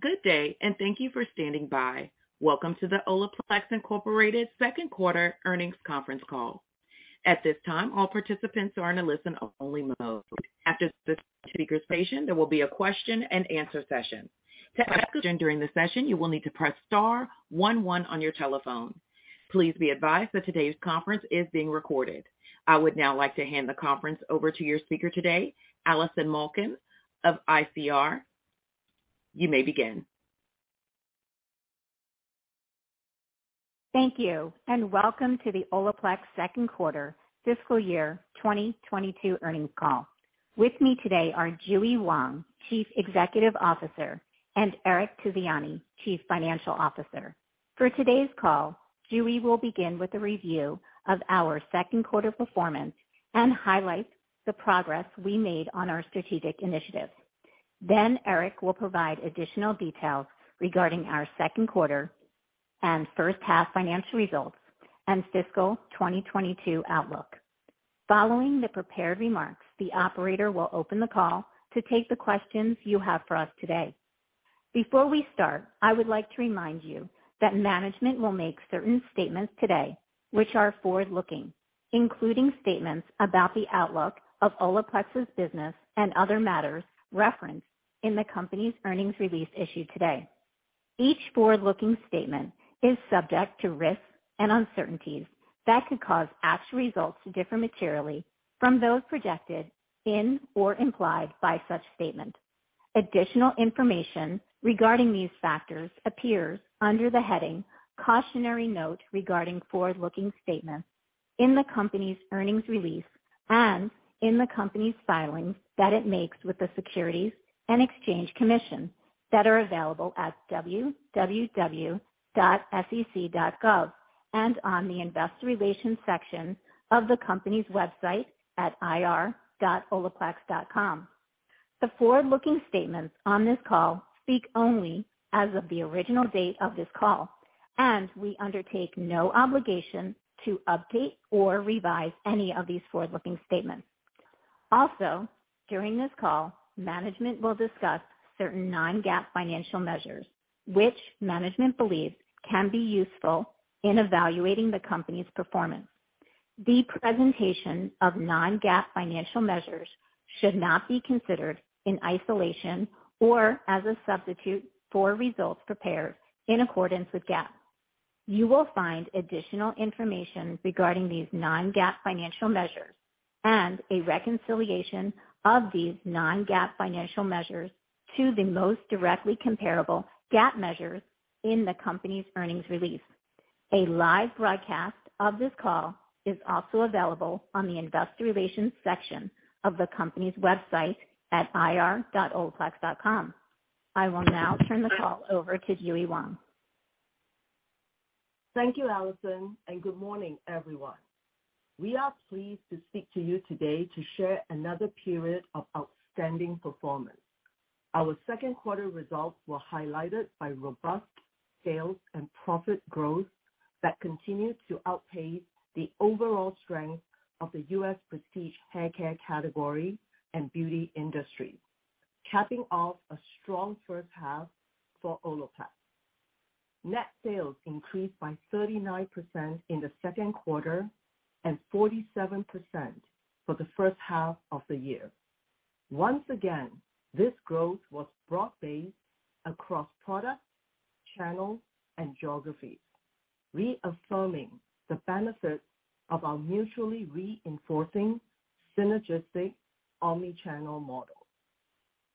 Good day, and thank you for standing by. Welcome to the Olaplex Holdings, Inc. second quarter earnings conference call. At this time, all participants are in a listen-only mode. After the speaker presentation, there will be a question-and-answer session. To ask a question during the session, you will need to press star one one on your telephone. Please be advised that today's conference is being recorded. I would now like to hand the conference over to your speaker today, Allison Malkin of ICR. You may begin. Thank you, and welcome to the Olaplex second quarter fiscal year 2022 earnings call. With me today are JuE Wong, Chief Executive Officer, and Eric Tiziani, Chief Financial Officer. For today's call, JuE will begin with a review of our second quarter performance and highlight the progress we made on our strategic initiatives. Then Eric will provide additional details regarding our second quarter and first half financial results and fiscal 2022 outlook. Following the prepared remarks, the operator will open the call to take the questions you have for us today. Before we start, I would like to remind you that management will make certain statements today which are forward-looking, including statements about the outlook of Olaplex's business and other matters referenced in the company's earnings release issued today. Each forward-looking statement is subject to risks and uncertainties that could cause actual results to differ materially from those projected in or implied by such statements. Additional information regarding these factors appears under the heading Cautionary Note Regarding Forward-Looking Statements in the company's earnings release and in the company's filings that it makes with the Securities and Exchange Commission that are available at www.sec.gov and on the investor relations section of the company's website at ir.olaplex.com. The forward-looking statements on this call speak only as of the original date of this call, and we undertake no obligation to update or revise any of these forward-looking statements. Also, during this call, management will discuss certain non-GAAP financial measures which management believes can be useful in evaluating the company's performance. The presentation of non-GAAP financial measures should not be considered in isolation or as a substitute for results prepared in accordance with GAAP. You will find additional information regarding these non-GAAP financial measures and a reconciliation of these non-GAAP financial measures to the most directly comparable GAAP measures in the company's earnings release. A live broadcast of this call is also available on the investor relations section of the company's website at ir.olaplex.com. I will now turn the call over to JuE Wong. Thank you, Allison, and good morning, everyone. We are pleased to speak to you today to share another period of outstanding performance. Our second quarter results were highlighted by robust sales and profit growth that continued to outpace the overall strength of the U.S. prestige hair care category and beauty industry, capping off a strong first half for Olaplex. Net sales increased by 39% in the second quarter and 47% for the first half of the year. Once again, this growth was broad-based across products, channels, and geographies, reaffirming the benefits of our mutually reinforcing synergistic omnichannel model.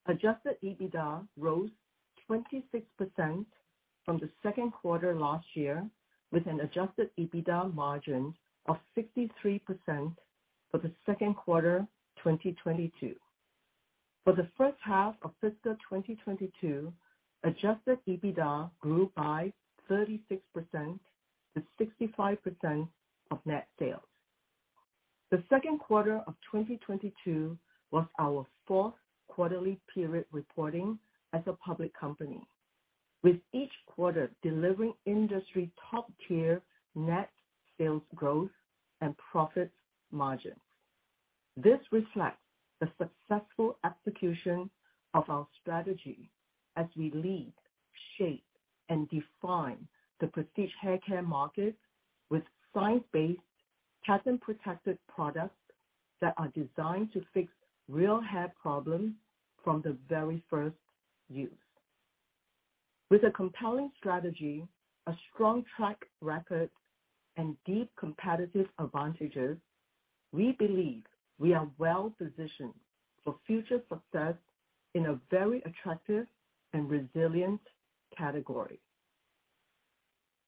Adjusted EBITDA rose 26% from the second quarter last year, with an adjusted EBITDA margin of 63% for the second quarter, 2022. For the first half of fiscal 2022, adjusted EBITDA grew by 36% to 65% of net sales. The second quarter of 2022 was our fourth quarterly period reporting as a public company, with each quarter delivering industry top-tier net sales growth and profit margins. This reflects the successful execution of our strategy as we lead, shape, and define the prestige hair care market with science-based, patent-protected products that are designed to fix real hair problems from the very first use. With a compelling strategy, a strong track record, and deep competitive advantages, we believe we are well-positioned for future success in a very attractive and resilient category.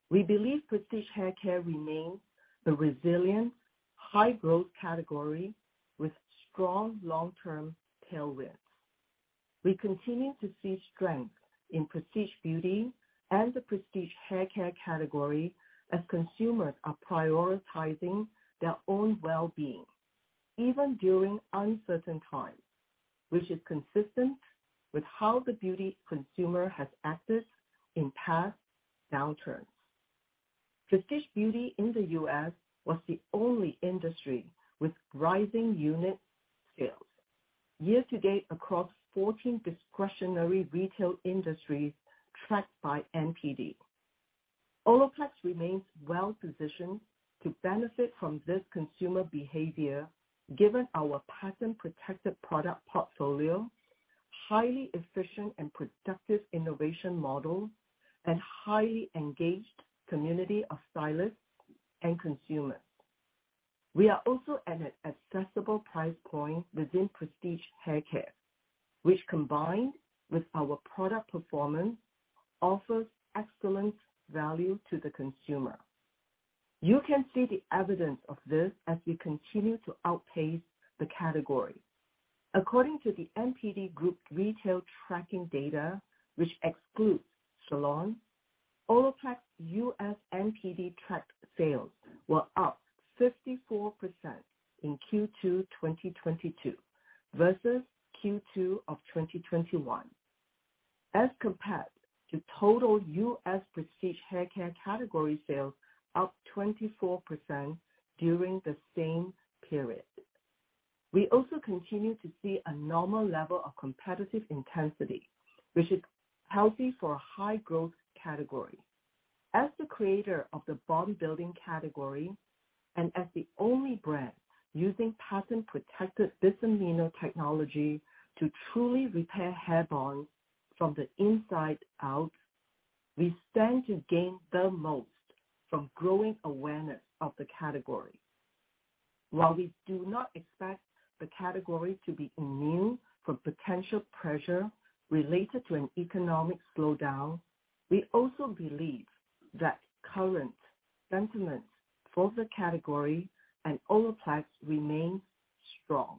We believe prestige hair care remains a resilient, high-growth category with strong long-term tailwinds. We continue to see strength in prestige beauty and the prestige hair care category as consumers are prioritizing their own well-being, even during uncertain times, which is consistent with how the beauty consumer has acted in past downturns. Prestige beauty in the U.S. was the only industry with rising unit sales year-to-date across 14 discretionary retail industries tracked by NPD. Olaplex remains well-positioned to benefit from this consumer behavior, given our patent-protected product portfolio, highly efficient and productive innovation model, and highly engaged community of stylists and consumers. We are also at an accessible price point within prestige hair care, which combined with our product performance, offers excellent value to the consumer. You can see the evidence of this as we continue to outpace the category. According to the NPD Group retail tracking data, which excludes salon, Olaplex U.S. NPD tracked sales were up 54% in Q2 2022 versus Q2 of 2021, as compared to total U.S. prestige hair care category sales up 24% during the same period. We also continue to see a normal level of competitive intensity, which is healthy for a high growth category. As the creator of the bond building category and as the only brand using patent protected Bis-Aminopropyl Diglycol Dimaleate technology to truly repair hair bonds from the inside out, we stand to gain the most from growing awareness of the category. While we do not expect the category to be immune from potential pressure related to an economic slowdown, we also believe that current sentiment for the category and Olaplex remains strong.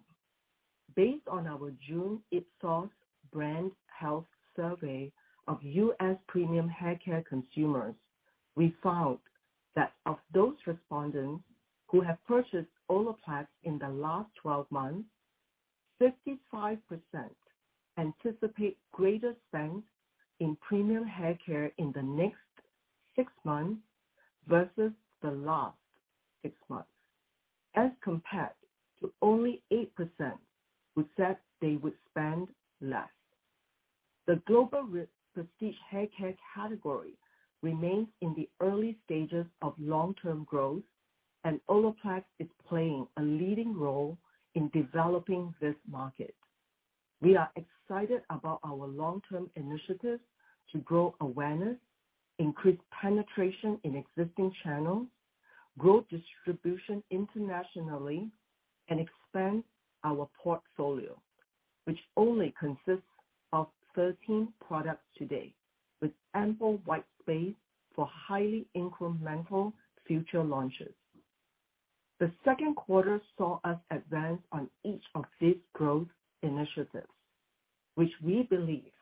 Based on our June Ipsos brand health survey of U.S. premium hair care consumers, we found that of those respondents who have purchased Olaplex in the last 12 months, 55% anticipate greater strength in premium hair care in the next 6 months versus the last 6 months, as compared to only 8% who said they would spend less. The global prestige hair care category remains in the early stages of long-term growth, and Olaplex is playing a leading role in developing this market. We are excited about our long-term initiatives to grow awareness, increase penetration in existing channels, grow distribution internationally, and expand our portfolio, which only consists of 13 products today, with ample white space for highly incremental future launches. The second quarter saw us advance on each of these growth initiatives, which we believe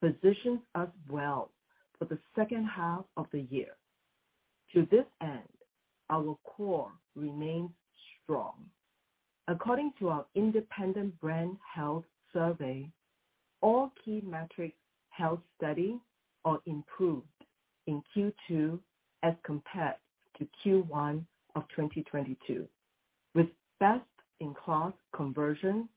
positions us well for the second half of the year. To this end, our core remains strong. According to our independent brand health survey, all key metrics held steady or improved in Q2 as compared to Q1 of 2022, with best-in-class conversion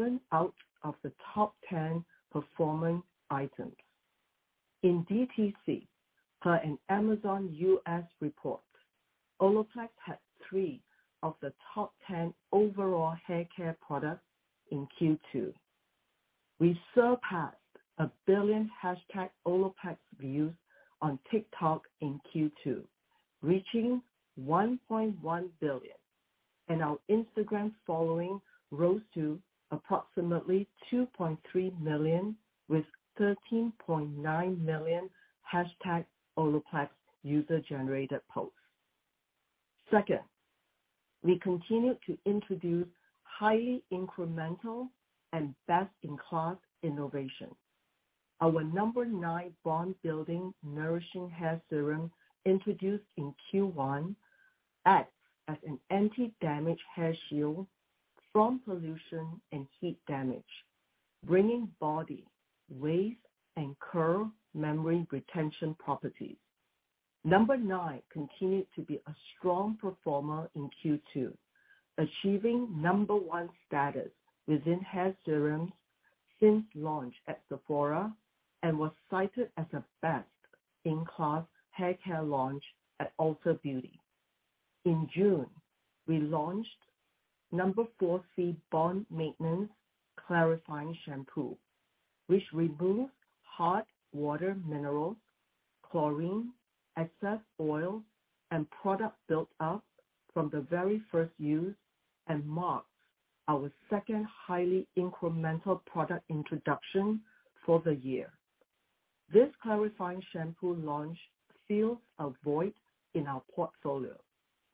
from awareness to purchase intent among other prestige hair care brands tracked. Our unaided awareness increased 2 points, and aided awareness jumped approximately 5 points from first quarter of 2022. In retail, per NPD, Olaplex remained the number one prestige hair brand in the U.S. in Q2, with seven of the top 10 performing items. In professional per Kline, Olaplex had the top four best selling hair care products sold at salons in the U.S. in Q1 2022, with seven out of the top 10 performing items. In DTC, per an Amazon U.S. report, Olaplex had three of the top 10 overall hair care products in Q2. We surpassed a billion hashtag Olaplex views on TikTok in Q2, reaching 1.1 billion, and our Instagram following rose to approximately 2.3 million, with 13.9 million hashtag Olaplex user-generated posts. Second, we continued to introduce highly incremental and best-in-class innovation. Our Nº.9 Bond Protector Nourishing Hair Serum, introduced in Q1, acts as an anti-damage hair shield from pollution and heat damage, bringing body, wave, and curl memory retention properties. Nº.9 continued to be a strong performer in Q2, achieving number one status within hair serums since launch at Sephora, and was cited as a best-in-class hair care launch at Ulta Beauty. In June, we launched Nº.4C Bond Maintenance Clarifying Shampoo, which removes hard water minerals, chlorine, excess oil, and product built up from the very first use, and marks our second highly incremental product introduction for the year. This clarifying shampoo launch fills a void in our portfolio,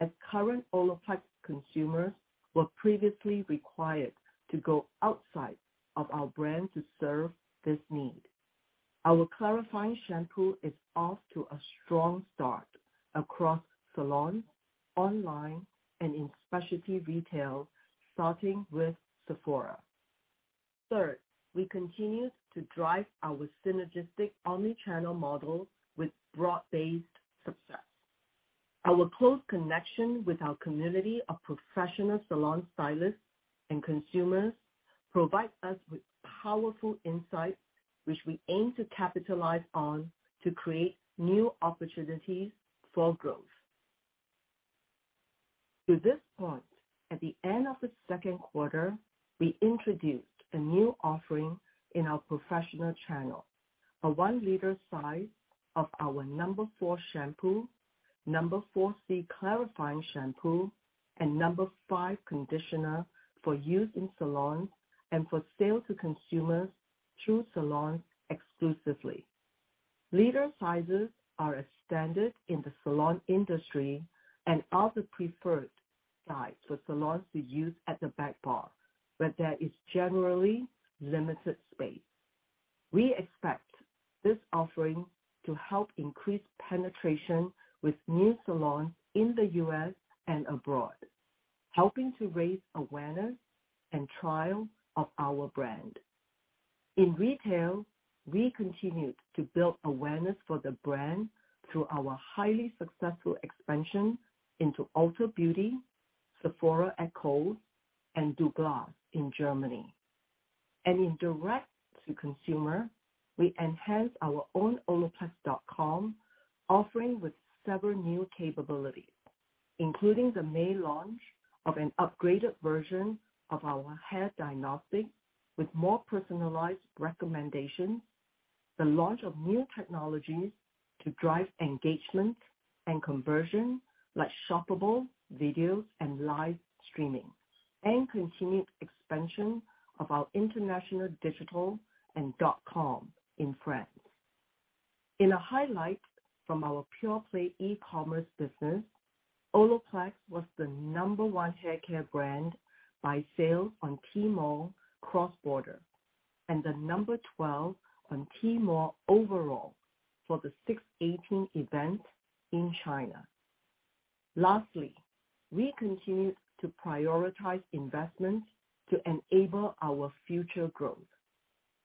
as current Olaplex consumers were previously required to go outside of our brand to serve this need. Our clarifying shampoo is off to a strong start across salon, online, and in specialty retail, starting with Sephora. Third, we continue to drive our synergistic omni-channel model with broad-based success. Our close connection with our community of professional salon stylists and consumers provides us with powerful insights, which we aim to capitalize on to create new opportunities for growth. To this point, at the end of the second quarter, we introduced a new offering in our professional channel. A 1-liter size of our No.4 Shampoo, Nº.4C Clarifying Shampoo, and No.5 Conditioner for use in salons and for sale to consumers through salons exclusively. Liter sizes are a standard in the salon industry and are the preferred size for salons to use at the back bar, but there is generally limited space. We expect this offering to help increase penetration with new salons in the U.S. and abroad, helping to raise awareness and trial of our brand. In retail, we continued to build awareness for the brand through our highly successful expansion into Ulta Beauty, Sephora at Kohl's, and Douglas in Germany. In direct to consumer, we enhanced our own olaplex.com offering with several new capabilities, including the May launch of an upgraded version of our hair diagnostic with more personalized recommendations, the launch of new technologies to drive engagement and conversion, like shoppable videos and live streaming, and continued expansion of our international, digital, and dot-com in France. In a highlight from our pure-play e-commerce business, Olaplex was the number 1 haircare brand by sales on Tmall cross-border, and the number 12 on Tmall overall for the 618 event in China. Lastly, we continue to prioritize investments to enable our future growth.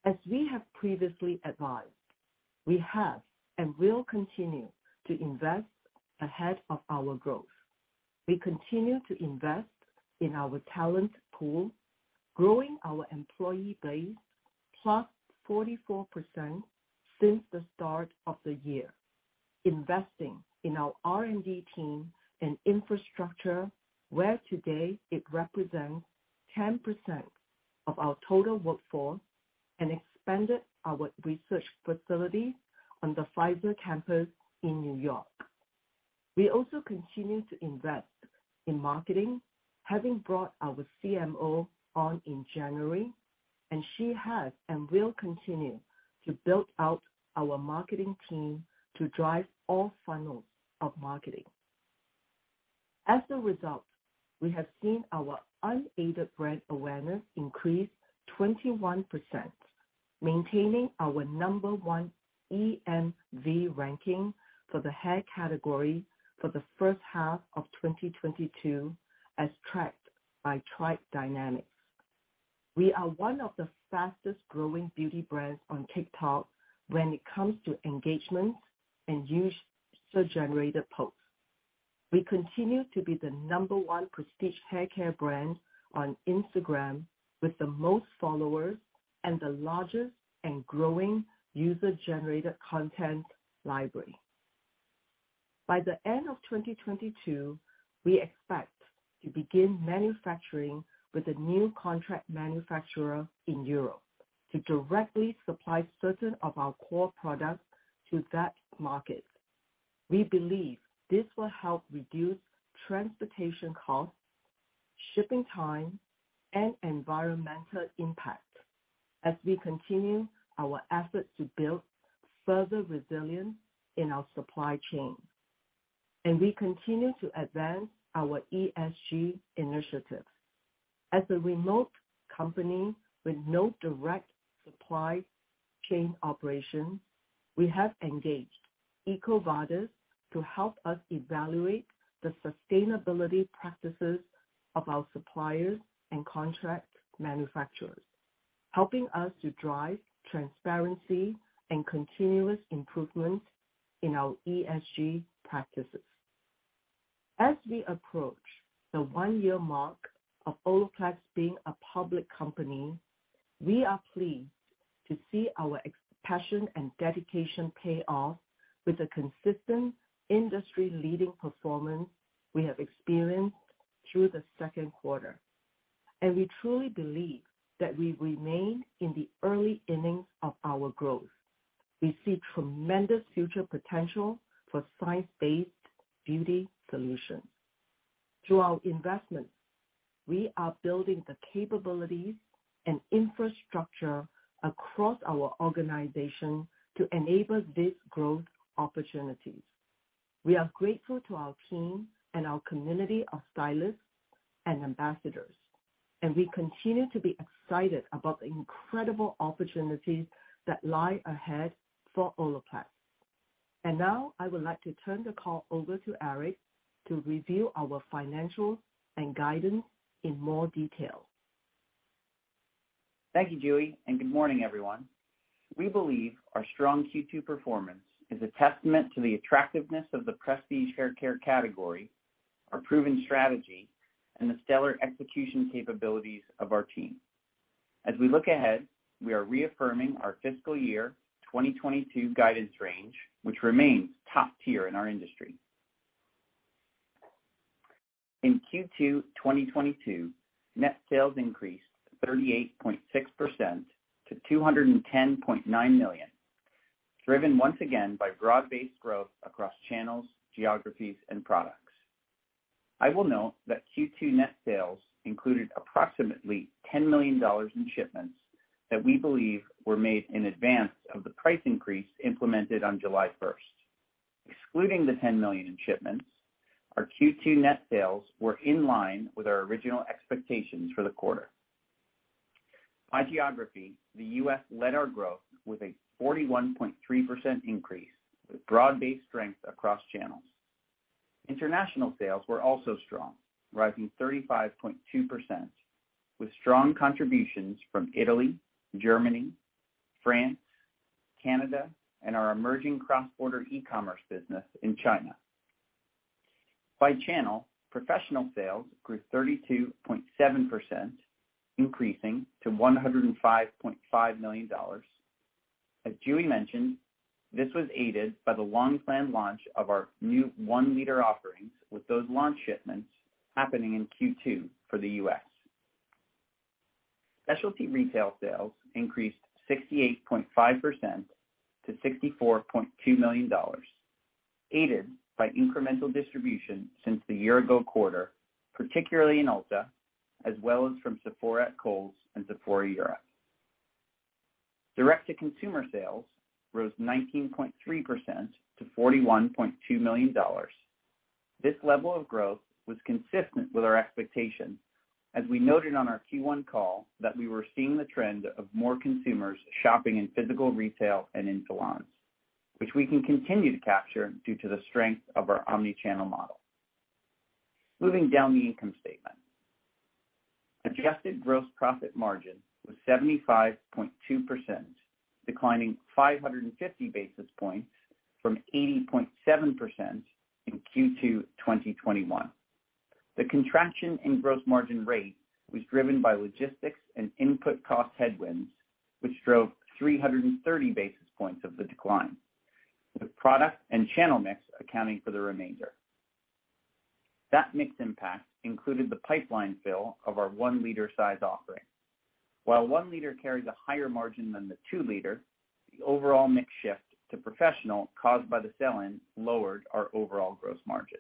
As we have previously advised, we have and will continue to invest ahead of our growth. We continue to invest in our talent pool, growing our employee base +44% since the start of the year, investing in our R&D team and infrastructure, where today it represents 10% of our total workforce and expanded our research facility on the Pfizer campus in New York. We also continue to invest in marketing, having brought our CMO on in January, and she has and will continue to build out our marketing team to drive all funnels of marketing. As a result, we have seen our unaided brand awareness increase 21%, maintaining our number one EMV ranking for the hair category for the first half of 2022 as tracked by Tribe Dynamics. We are one of the fastest growing beauty brands on TikTok when it comes to engagement and user-generated posts. We continue to be the number one prestige haircare brand on Instagram with the most followers and the largest and growing user-generated content library. By the end of 2022, we expect to begin manufacturing with a new contract manufacturer in Europe to directly supply certain of our core products to that market. We believe this will help reduce transportation costs, shipping time, and environmental impact as we continue our efforts to build further resilience in our supply chain. We continue to advance our ESG initiatives. As a remote company with no direct supply chain operations, we have engaged EcoVadis to help us evaluate the sustainability practices of our suppliers and contract manufacturers, helping us to drive transparency and continuous improvement in our ESG practices. As we approach the one-year mark of Olaplex being a public company, we are pleased to see our passion and dedication pay off with a consistent industry-leading performance we have experienced through the second quarter. We truly believe that we remain in the early innings of our growth. We see tremendous future potential for science-based beauty solutions. Through our investments, we are building the capabilities and infrastructure across our organization to enable these growth opportunities. We are grateful to our team and our community of stylists and ambassadors, and we continue to be excited about the incredible opportunities that lie ahead for Olaplex. Now I would like to turn the call over to Eric to review our financials and guidance in more detail. Thank you, JuE Wong, and good morning, everyone. We believe our strong Q2 performance is a testament to the attractiveness of the prestige hair care category, our proven strategy, and the stellar execution capabilities of our team. As we look ahead, we are reaffirming our fiscal year 2022 guidance range, which remains top tier in our industry. In Q2 2022, net sales increased 38.6% to $210.9 million, driven once again by broad-based growth across channels, geographies, and products. I will note that Q2 net sales included approximately $10 million in shipments that we believe were made in advance of the price increase implemented on July first. Excluding the $10 million in shipments, our Q2 net sales were in line with our original expectations for the quarter. By geography, the U.S. led our growth with a 41.3% increase, with broad-based strength across channels. International sales were also strong, rising 35.2%, with strong contributions from Italy, Germany, France, Canada, and our emerging cross-border e-commerce business in China. By channel, professional sales grew 32.7%, increasing to $105.5 million. As JuE mentioned, this was aided by the long-planned launch of our new one-liter offerings, with those launch shipments happening in Q2 for the U.S. Specialty retail sales increased 68.5% to $64.2 million, aided by incremental distribution since the year-ago quarter, particularly in Ulta, as well as from Sephora at Kohl's and Sephora Europe. Direct-to-consumer sales rose 19.3% to $41.2 million. This level of growth was consistent with our expectations, as we noted on our Q1 call that we were seeing the trend of more consumers shopping in physical retail and in salons, which we can continue to capture due to the strength of our omni-channel model. Moving down the income statement. Adjusted gross profit margin was 75.2%, declining 550 basis points from 80.7% in Q2 2021. The contraction in gross margin rate was driven by logistics and input cost headwinds, which drove 330 basis points of the decline, with product and channel mix accounting for the remainder. That mix impact included the pipeline fill of our 1-liter size offering. While 1-liter carries a higher margin than the 2-liter, the overall mix shift to professional caused by the sell-in lowered our overall gross margin.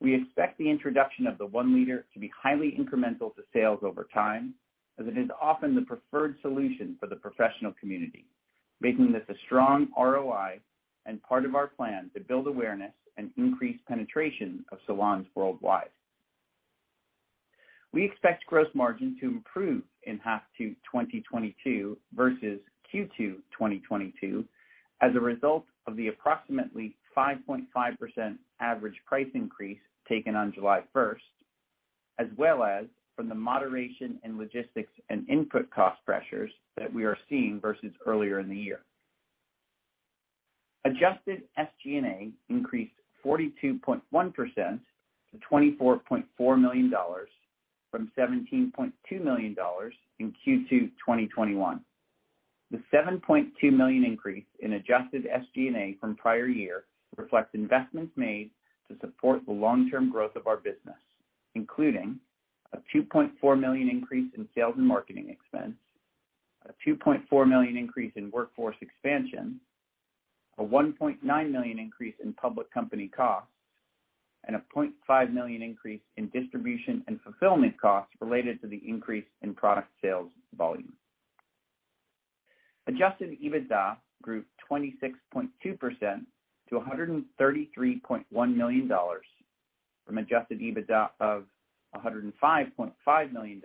We expect the introduction of the one liter to be highly incremental to sales over time, as it is often the preferred solution for the professional community, making this a strong ROI and part of our plan to build awareness and increase penetration of salons worldwide. We expect gross margin to improve in H2 2022 versus Q2 2022 as a result of the approximately 5.5% average price increase taken on July 1, as well as from the moderation in logistics and input cost pressures that we are seeing versus earlier in the year. Adjusted SG&A increased 42.1% to $24.4 million from $17.2 million in Q2 2021. The $7.2 million increase in adjusted SG&A from prior year reflects investments made to support the long-term growth of our business, including a $2.4 million increase in sales and marketing expense, a $2.4 million increase in workforce expansion, a $1.9 million increase in public company costs, and a $0.5 million increase in distribution and fulfillment costs related to the increase in product sales volume. Adjusted EBITDA grew 26.2% to $133.1 million from adjusted EBITDA of $105.5 million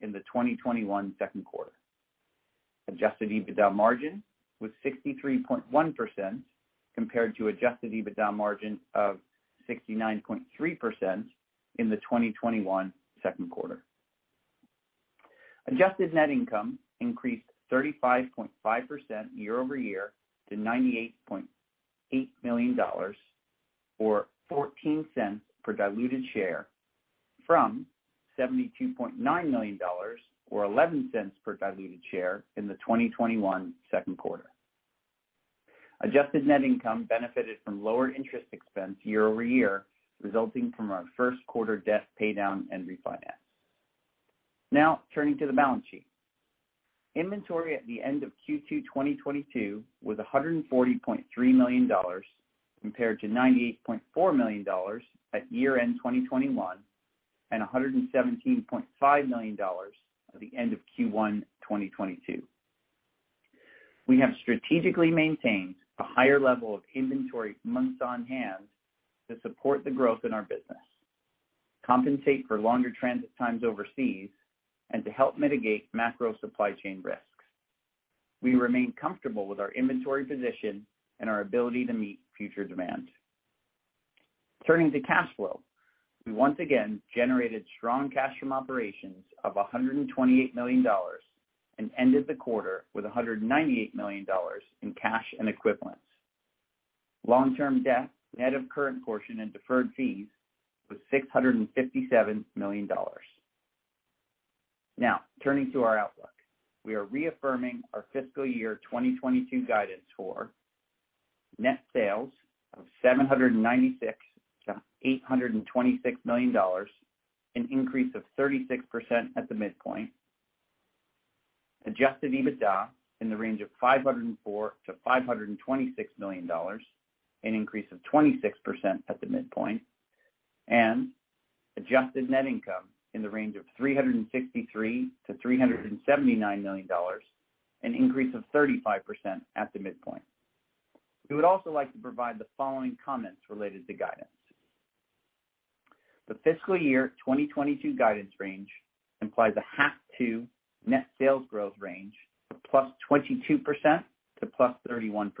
in the 2021 second quarter. Adjusted EBITDA margin was 63.1% compared to adjusted EBITDA margin of 69.3% in the 2021 second quarter. Adjusted net income increased 35.5% year-over-year to $98.8 million, or $0.14 per diluted share. From $72.9 million or $0.11 per diluted share in the 2021 second quarter. Adjusted net income benefited from lower interest expense year-over-year, resulting from our first quarter debt pay down and refinance. Now turning to the balance sheet. Inventory at the end of Q2 2022 was $140.3 million compared to $98.4 million at year-end 2021, and $117.5 million at the end of Q1 2022. We have strategically maintained a higher level of inventory months on hand to support the growth in our business, compensate for longer transit times overseas, and to help mitigate macro supply chain risks. We remain comfortable with our inventory position and our ability to meet future demand. Turning to cash flow. We once again generated strong cash from operations of $128 million and ended the quarter with $198 million in cash and equivalents. Long-term debt, net of current portion and deferred fees, was $657 million. Now turning to our outlook. We are reaffirming our fiscal year 2022 guidance for net sales of $796 million-$826 million, an increase of 36% at the midpoint. Adjusted EBITDA in the range of $504 million-$526 million, an increase of 26% at the midpoint. Adjusted net income in the range of $363 million-$379 million, an increase of 35% at the midpoint. We would also like to provide the following comments related to guidance. The fiscal year 2022 guidance range implies a H2 net sales growth range of +22% to +31%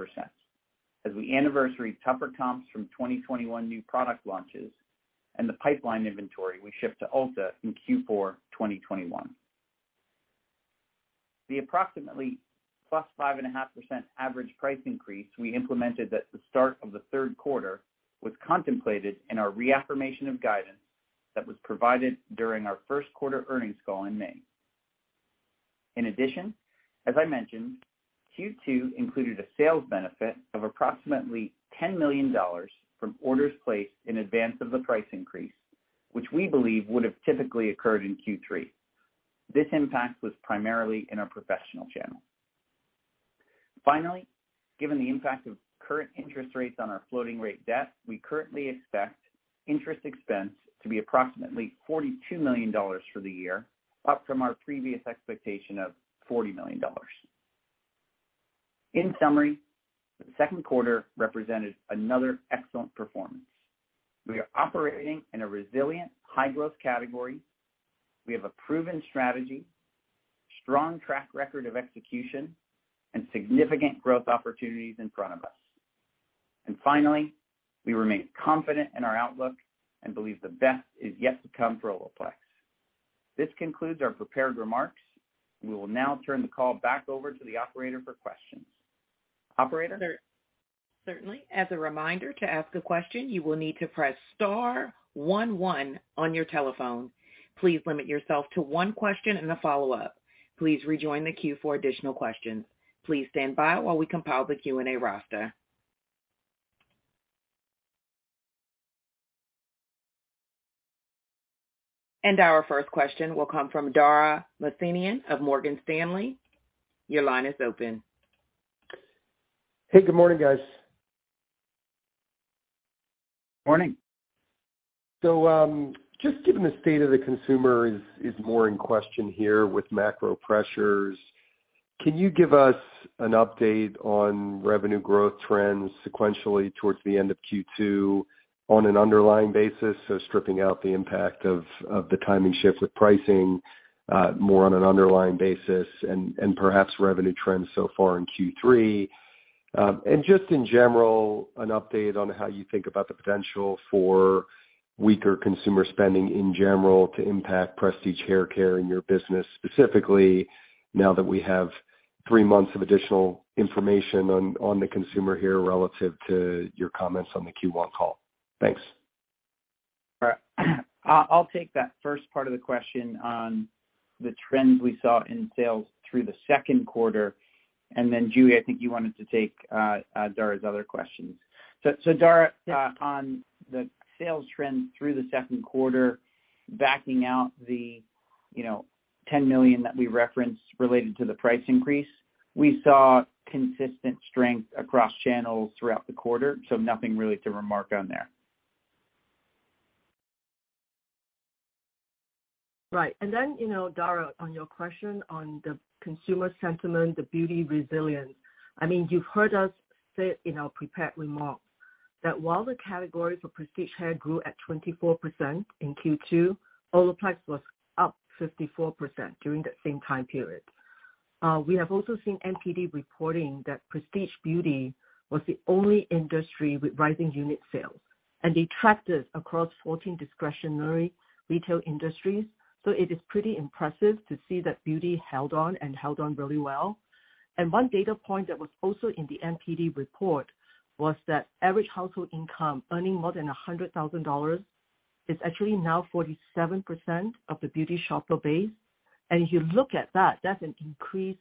as we anniversary tougher comps from 2021 new product launches and the pipeline inventory we shipped to Ulta in Q4 2021. The approximately +5.5% average price increase we implemented at the start of the third quarter was contemplated in our reaffirmation of guidance that was provided during our first quarter earnings call in May. In addition, as I mentioned, Q2 included a sales benefit of approximately $10 million from orders placed in advance of the price increase, which we believe would have typically occurred in Q3. This impact was primarily in our professional channel. Finally, given the impact of current interest rates on our floating rate debt, we currently expect interest expense to be approximately $42 million for the year, up from our previous expectation of $40 million. In summary, the second quarter represented another excellent performance. We are operating in a resilient, high growth category. We have a proven strategy, strong track record of execution, and significant growth opportunities in front of us. Finally, we remain confident in our outlook and believe the best is yet to come for Olaplex. This concludes our prepared remarks. We will now turn the call back over to the operator for questions. Operator? Certainly. As a reminder, to ask a question, you will need to press star one one on your telephone. Please limit yourself to one question and a follow-up. Please rejoin the queue for additional questions. Please stand by while we compile the Q&A roster. Our first question will come from Dara Mohsenian of Morgan Stanley. Your line is open. Hey, good morning, guys. Morning. Just given the state of the consumer is more in question here with macro pressures, can you give us an update on revenue growth trends sequentially towards the end of Q2 on an underlying basis, so stripping out the impact of the timing shift with pricing, more on an underlying basis and perhaps revenue trends so far in Q3? Just in general, an update on how you think about the potential for weaker consumer spending in general to impact prestige hair care in your business specifically, now that we have three months of additional information on the consumer here relative to your comments on the Q1 call? Thanks. All right. I'll take that first part of the question on the trends we saw in sales through the second quarter, and then, JuE, I think you wanted to take Dara's other questions. Dara, on the sales trends through the second quarter, backing out the, you know, $10 million that we referenced related to the price increase, we saw consistent strength across channels throughout the quarter, so nothing really to remark on there. Right. You know, Dara, on your question on the consumer sentiment, the beauty resilience, I mean, you've heard us say in our prepared remarks that while the category for prestige hair grew at 24% in Q2, Olaplex was up 54% during that same time period. We have also seen NPD reporting that prestige beauty was the only industry with rising unit sales and they tracked it across 14 discretionary retail industries. It is pretty impressive to see that beauty held on and held on really well. One data point that was also in the NPD report was that average household income earning more than $100,000 is actually now 47% of the beauty shopper base. If you look at that's an increase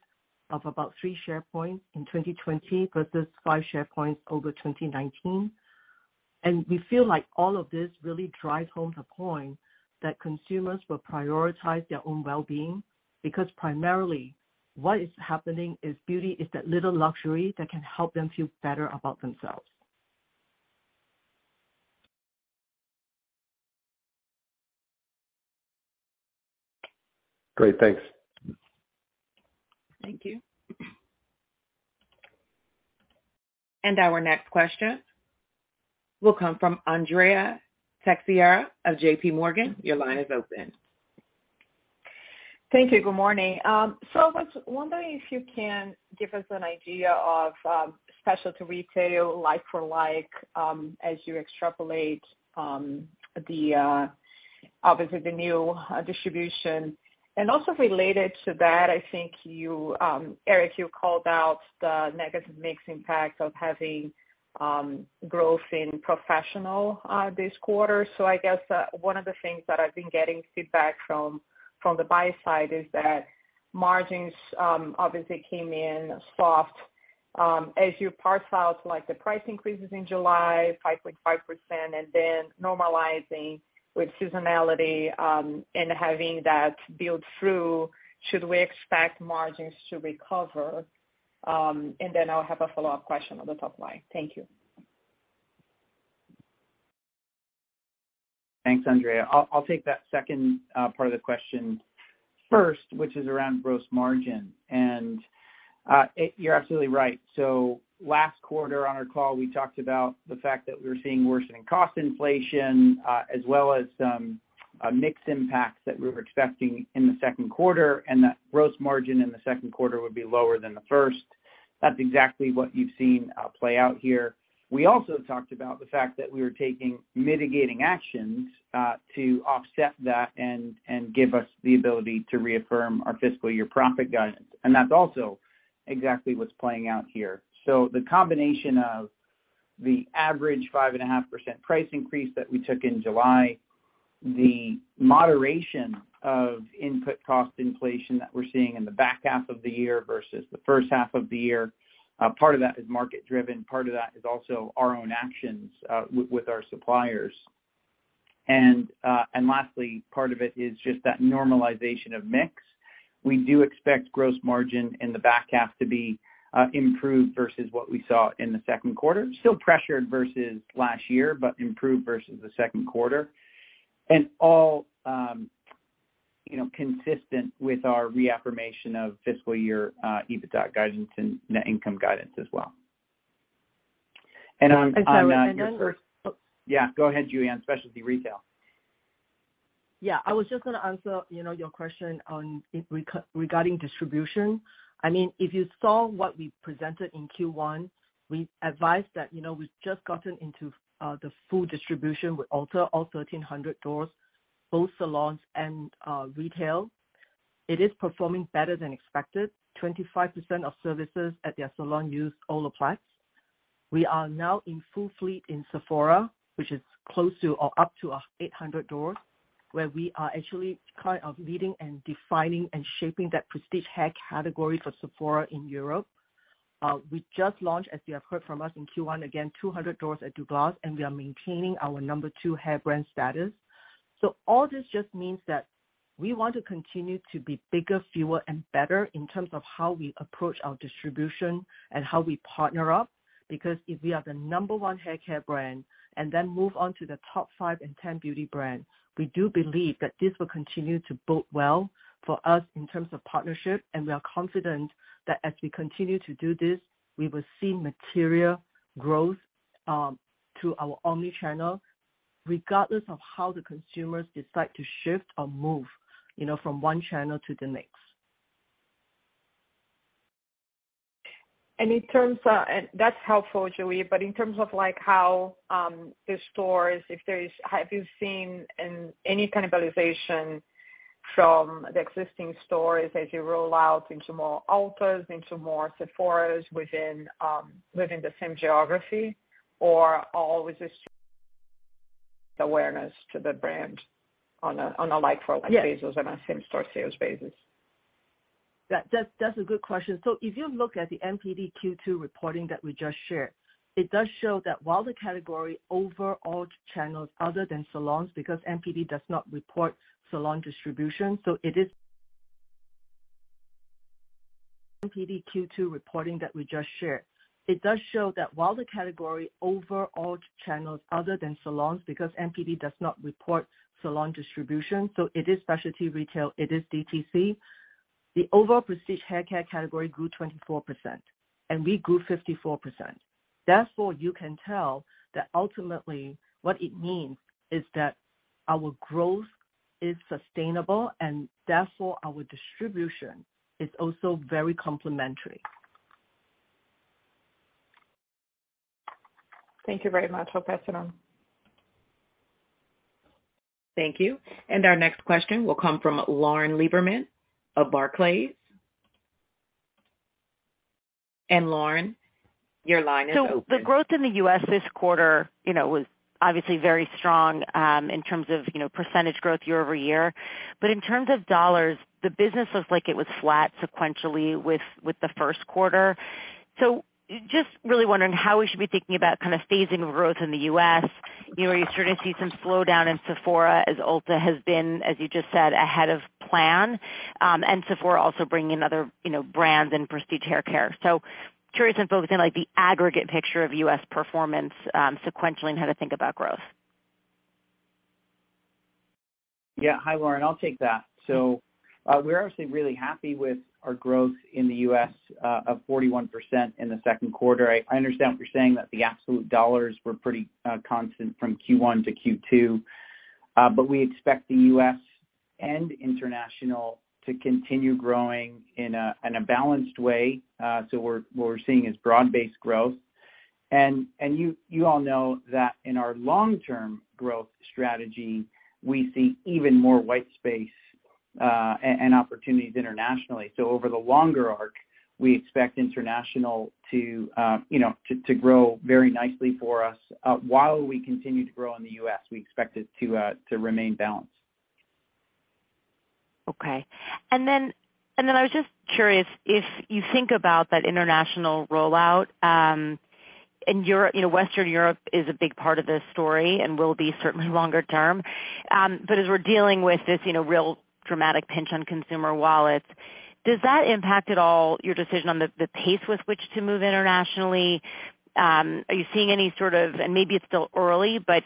of about 3 share points in 2020 versus 5 share points over 2019. We feel like all of this really drives home the point that consumers will prioritize their own well-being, because primarily what is happening is beauty is that little luxury that can help them feel better about themselves. Great. Thanks. Thank you. Our next question will come from Andrea Teixeira of JPMorgan. Your line is open. Thank you. Good morning. I was wondering if you can give us an idea of specialty retail like for like, as you extrapolate obviously the new distribution. Also related to that, I think you, Eric, called out the negative mix impact of having growth in professional this quarter. I guess one of the things that I've been getting feedback from the buy side is that margins obviously came in soft. As you parse out like the price increases in July, 5.5%, and then normalizing with seasonality and having that build through, should we expect margins to recover? I'll have a follow-up question on the top line. Thank you. Thanks, Andrea. I'll take that second part of the question first, which is around gross margin. You're absolutely right. Last quarter on our call, we talked about the fact that we were seeing worsening cost inflation as well as some mix impacts that we were expecting in the second quarter, and that gross margin in the second quarter would be lower than the first. That's exactly what you've seen play out here. We also talked about the fact that we were taking mitigating actions to offset that and give us the ability to reaffirm our fiscal year profit guidance. That's also exactly what's playing out here. The combination of the average 5.5% price increase that we took in July, the moderation of input cost inflation that we're seeing in the back half of the year versus the first half of the year, part of that is market driven, part of that is also our own actions, with our suppliers. Lastly, part of it is just that normalization of mix. We do expect gross margin in the back half to be improved versus what we saw in the second quarter. Still pressured versus last year, but improved versus the second quarter. All consistent with our reaffirmation of fiscal year EBITDA guidance and net income guidance as well. On your first- Sorry, can I- Yeah, go ahead, JuE. On specialty retail. Yeah. I was just gonna answer, you know, your question on regarding distribution. I mean, if you saw what we presented in Q1, we advised that, you know, we've just gotten into the full distribution with Ulta, all 1,300 stores, both salons and retail. It is performing better than expected. 25% of services at their salon use Olaplex. We are now in full fleet in Sephora, which is close to or up to 800 stores, where we are actually kind of leading and defining and shaping that prestige hair category for Sephora in Europe. We just launched, as you have heard from us in Q1, again, 200 stores at Douglas, and we are maintaining our number two hair brand status. All this just means that we want to continue to be bigger, fewer and better in terms of how we approach our distribution and how we partner up. Because if we are the number one haircare brand and then move on to the top five and 10 beauty brands, we do believe that this will continue to bode well for us in terms of partnership. We are confident that as we continue to do this, we will see material growth through our omnichannel, regardless of how the consumers decide to shift or move, you know, from one channel to the next. That's helpful, JuE. In terms of like how the stores, have you seen any cannibalization from the existing stores as you roll out into more Ultas, into more Sephoras within the same geography, or all with the strong awareness to the brand on a like-for-like basis and a same-store sales basis? Yeah. That's a good question. If you look at the NPD Q2 reporting that we just shared, it does show that while the category overall channels other than salons, because NPD does not report salon distribution, so it is specialty retail, it is DTC. The overall prestige haircare category grew 24%, and we grew 54%. Therefore, you can tell that ultimately what it means is that our growth is sustainable, and therefore our distribution is also very complementary. Thank you very much. Hope that's enough. Thank you. Our next question will come from Lauren Lieberman of Barclays. Lauren, your line is open. The growth in the U.S. this quarter, you know, was obviously very strong in terms of, you know, percentage growth year-over-year. In terms of dollars, the business looks like it was flat sequentially with the first quarter. Just really wondering how we should be thinking about kind of phasing of growth in the U.S. You know, are you starting to see some slowdown in Sephora as Ulta has been, as you just said, ahead of plan, and Sephora also bringing other, you know, brands in prestige hair care. Curious and focusing on, like, the aggregate picture of U.S. performance, sequentially, and how to think about growth. Yeah. Hi, Lauren. I'll take that. We're obviously really happy with our growth in the US of 41% in the second quarter. I understand what you're saying, that the absolute dollars were pretty constant from Q1 to Q2, but we expect the U.S. and international to continue growing in a balanced way. What we're seeing is broad-based growth. You all know that in our long-term growth strategy, we see even more white space and opportunities internationally. Over the longer arc, we expect international to you know to grow very nicely for us. While we continue to grow in the U.S., we expect it to remain balanced. Okay. I was just curious if you think about that international rollout, and Europe, you know, Western Europe is a big part of this story and will be certainly longer term. But as we're dealing with this, you know, real dramatic pinch on consumer wallets, does that impact at all your decision on the pace with which to move internationally? Are you seeing any sort of, and maybe it's still early, but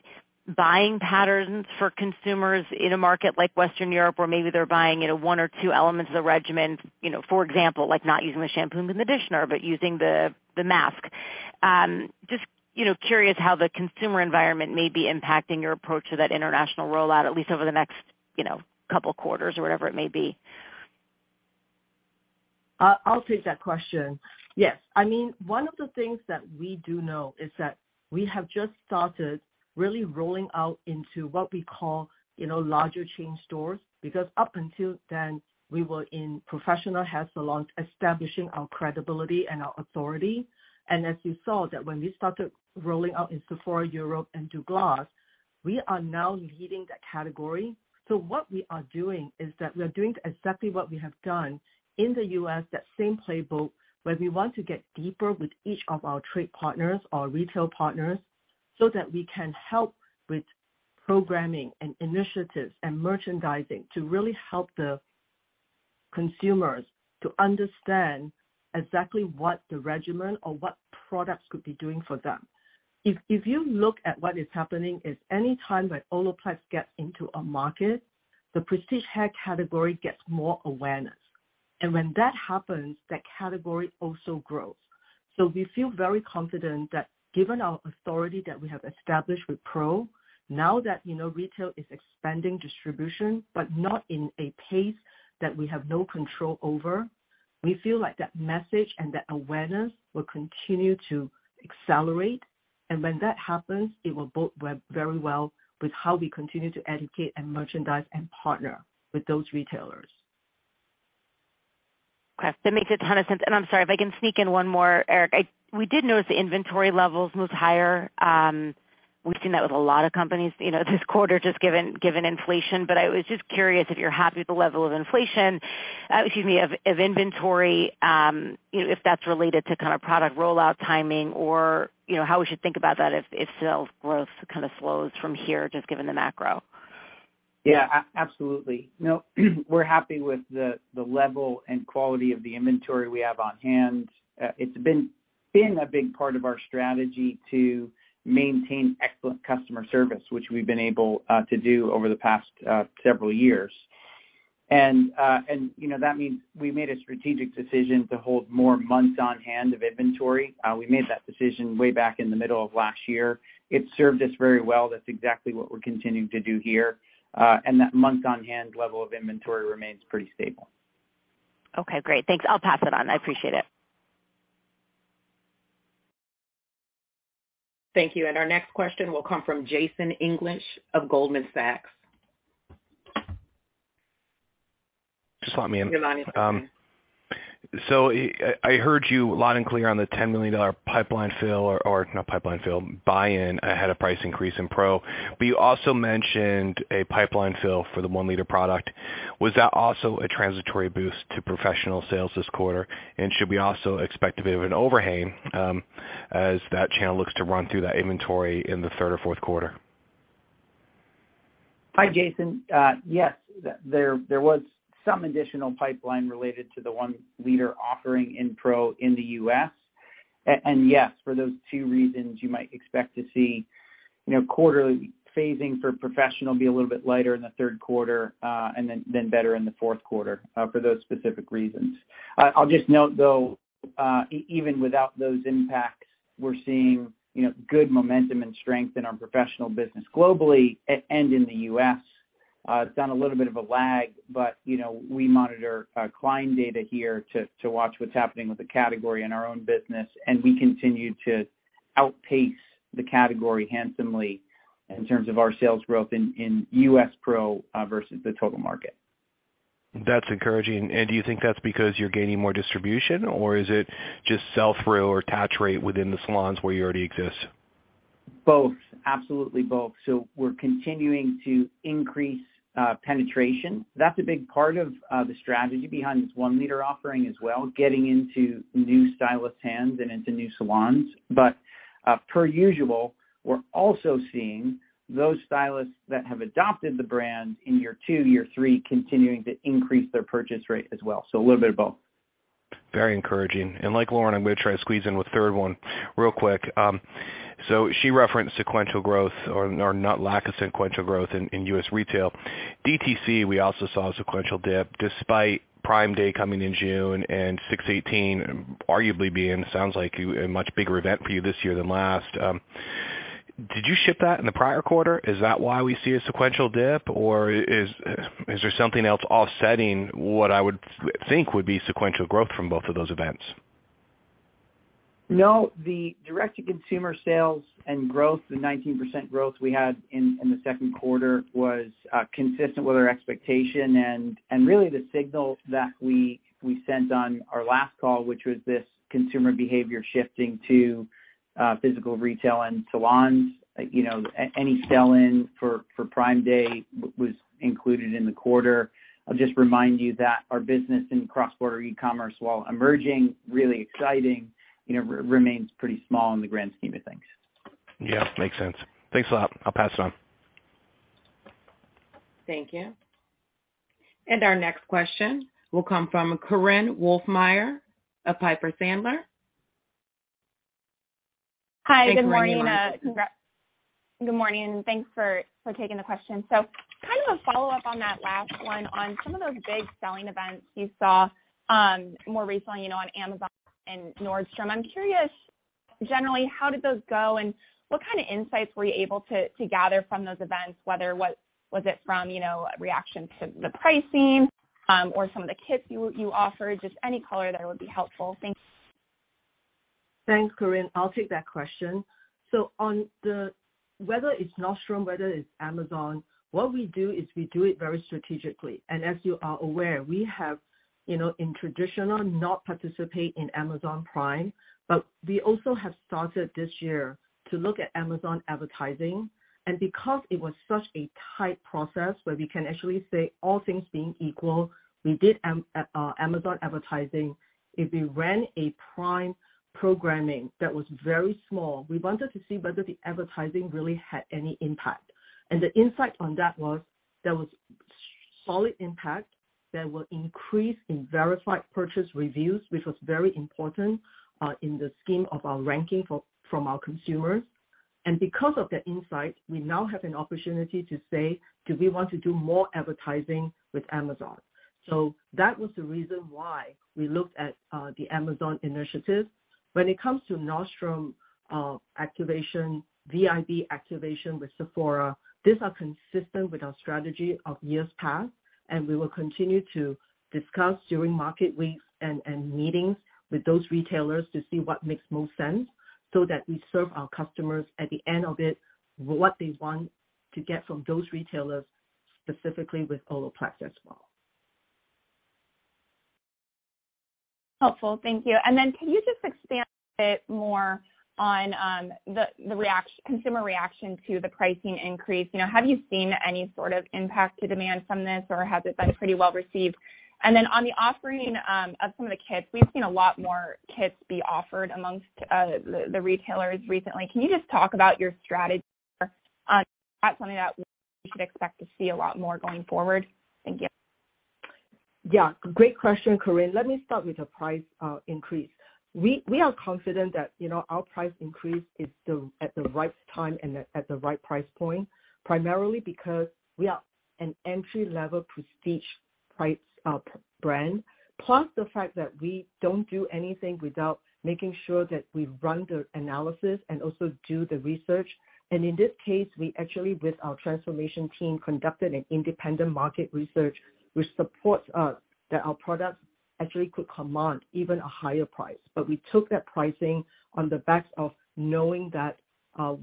buying patterns for consumers in a market like Western Europe, where maybe they're buying, you know, one or two elements of the regimen, you know, for example, like not using the shampoo and the conditioner, but using the mask. Just, you know, curious how the consumer environment may be impacting your approach to that international rollout, at least over the next, you know, couple quarters or whatever it may be? I'll take that question. Yes. I mean, one of the things that we do know is that we have just started really rolling out into what we call, you know, larger chain stores, because up until then, we were in professional hair salons establishing our credibility and our authority. As you saw that when we started rolling out in Sephora Europe and Douglas, we are now leading that category. What we are doing is that we're doing exactly what we have done in the U.S., that same playbook, where we want to get deeper with each of our trade partners, our retail partners, so that we can help with programming and initiatives and merchandising to really help the consumers to understand exactly what the regimen or what products could be doing for them. If you look at what is happening, every time Olaplex gets into a market, the prestige hair category gets more awareness. When that happens, that category also grows. We feel very confident that given our authority that we have established with pro, now that, you know, retail is expanding distribution, but at a pace that we have no control over, we feel like that message and that awareness will continue to accelerate. When that happens, it will bode very well with how we continue to educate and merchandise and partner with those retailers. Okay. That makes a ton of sense. I'm sorry if I can sneak in one more, Eric. We did notice the inventory levels was higher. We've seen that with a lot of companies, you know, this quarter just given inflation. I was just curious if you're happy with the level of inventory, you know, if that's related to kind of product rollout timing or, you know, how we should think about that if sales growth kind of slows from here, just given the macro. Yeah. Absolutely. No, we're happy with the level and quality of the inventory we have on hand. It's been a big part of our strategy to maintain excellent customer service, which we've been able to do over the past several years. You know, that means we made a strategic decision to hold more months on hand of inventory. We made that decision way back in the middle of last year. It served us very well. That's exactly what we're continuing to do here. That months on hand level of inventory remains pretty stable. Okay, great. Thanks. I'll pass it on. I appreciate it. Thank you. Our next question will come from Jason English of Goldman Sachs. Just let me in. Your line is open. I heard you loud and clear on the $10 million buy-in ahead of price increase in pro. You also mentioned a pipeline fill for the 1-liter product. Was that also a transitory boost to professional sales this quarter? Should we also expect a bit of an overhang as that channel looks to run through that inventory in the third or fourth quarter? Hi, Jason. Yes, there was some additional pipeline related to the 1-liter offering in pro in the U.S. And yes, for those two reasons, you might expect to see, you know, quarterly phasing for professional to be a little bit lighter in the third quarter, and then better in the fourth quarter, for those specific reasons. I'll just note, though, even without those impacts, we're seeing, you know, good momentum and strength in our professional business globally and in the U.S. It's had a little bit of a lag, but, you know, we monitor client data here to watch what's happening with the category in our own business, and we continue to outpace the category handsomely in terms of our sales growth in U.S. pro versus the total market. That's encouraging. Do you think that's because you're gaining more distribution or is it just sell through or touch rate within the salons where you already exist? Both. Absolutely both. We're continuing to increase penetration. That's a big part of the strategy behind this one-liter offering as well, getting into new stylist hands and into new salons. But per usual, we're also seeing those stylists that have adopted the brand in year two, year three, continuing to increase their purchase rate as well. A little bit of both. Very encouraging. Like Lauren, I'm gonna try to squeeze in with third one real quick. So she referenced sequential growth or not lack of sequential growth in U.S. retail. DTC, we also saw a sequential dip despite Prime Day coming in June and 618 arguably being sounds like a much bigger event for you this year than last. Did you ship that in the prior quarter? Is that why we see a sequential dip, or is there something else offsetting what I would think would be sequential growth from both of those events? No, the direct-to-consumer sales and growth, the 19% growth we had in the second quarter was consistent with our expectation and really the signal that we sent on our last call, which was this consumer behavior shifting to physical retail and salons. You know, any sell-in for Prime Day was included in the quarter. I'll just remind you that our business in cross-border e-commerce, while emerging really exciting, you know, remains pretty small in the grand scheme of things. Yeah, makes sense. Thanks a lot. I'll pass it on. Thank you. Our next question will come from Korinne Wolfmeyer of Piper Sandler. Hi, good morning. Thanks for waiting, Korinne. Congrats. Good morning, and thanks for taking the question. Kind of a follow-up on that last one on some of those big selling events you saw, more recently, you know, on Amazon and Nordstrom. I'm curious, generally, how did those go, and what kind of insights were you able to gather from those events, whether what was it from, you know, reaction to the pricing, or some of the kits you offered? Just any color there would be helpful. Thanks. Thanks, Korinne. I'll take that question. Whether it's Nordstrom, whether it's Amazon, what we do is we do it very strategically. As you are aware, we have, you know, in tradition, we do not participate in Amazon Prime, but we also have started this year to look at Amazon advertising. Because it was such a tight process where we can actually say all things being equal, we did Amazon advertising. If we ran a Prime programming that was very small, we wanted to see whether the advertising really had any impact. The insight on that was there was solid impact. There was an increase in verified purchase reviews, which was very important in the scheme of our ranking for our consumers. Because of that insight, we now have an opportunity to say, do we want to do more advertising with Amazon. That was the reason why we looked at the Amazon initiative. When it comes to Nordstrom activation, VIB activation with Sephora, these are consistent with our strategy of years past, and we will continue to discuss during market weeks and meetings with those retailers to see what makes most sense so that we serve our customers at the end of it, what they want to get from those retailers, specifically with Olaplex as well. Helpful, thank you. Can you just expand a bit more on the consumer reaction to the pricing increase? You know, have you seen any sort of impact to demand from this, or has it been pretty well received? On the offering of some of the kits, we've seen a lot more kits be offered amongst the retailers recently. Can you just talk about your strategy on that, something that we should expect to see a lot more going forward? Thank you. Yeah, great question, Korinne. Let me start with the price increase. We are confident that, you know, our price increase is at the right time and at the right price point, primarily because we are an entry-level prestige price brand, plus the fact that we don't do anything without making sure that we run the analysis and also do the research. In this case, we actually, with our transformation team, conducted an independent market research which supports us that our products actually could command even a higher price. We took that pricing on the backs of knowing that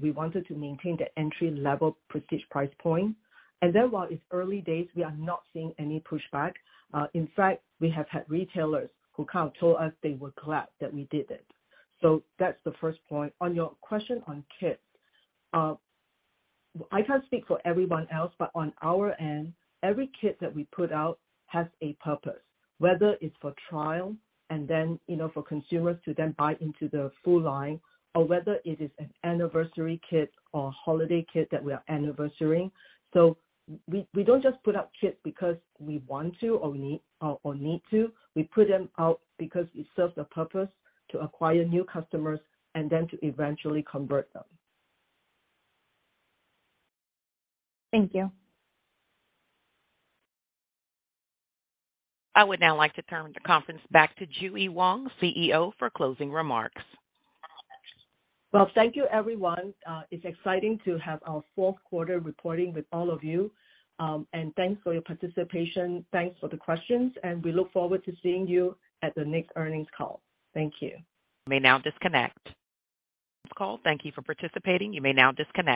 we wanted to maintain the entry-level prestige price point. Then while it's early days, we are not seeing any pushback. In fact, we have had retailers who kind of told us they were glad that we did it. That's the first point. On your question on kits, I can't speak for everyone else, but on our end, every kit that we put out has a purpose, whether it's for trial and then for consumers to then buy into the full line or whether it is an anniversary kit or holiday kit that we are anniversarying. We don't just put out kits because we want to or need to. We put them out because it serves a purpose to acquire new customers and then to eventually convert them. Thank you. I would now like to turn the conference back to JuE Wong, CEO, for closing remarks. Well, thank you everyone. It's exciting to have our fourth quarter reporting with all of you. Thanks for your participation, thanks for the questions, and we look forward to seeing you at the next earnings call. Thank you. You may now disconnect. This call. Thank you for participating. You may now disconnect.